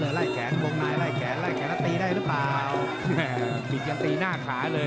เราก็เลยมีดีงานตีหน้าขาเลย